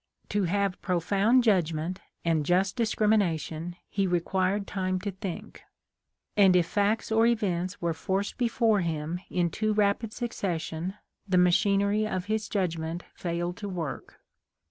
To have profound judgment and just discrimination he required time to think ; and if facts or events were forced before him in too rapid succession the machinery of his judgment failed to work.